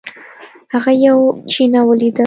هغه یوه چینه ولیده.